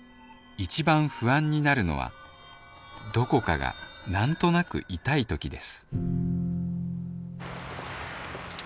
一番不安になるのはどこかがなんとなく痛い時です